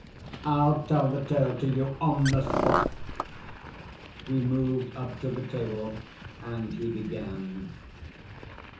I'll tell the tale to you on the spot." We moved up to the table, and he began.